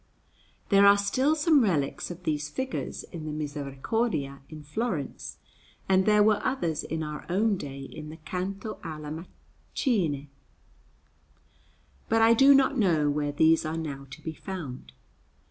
There are still some relics of these figures in the Misericordia in Florence, and there were others in our own day in the Canto alla Macine; but I do not know where these are now to be found.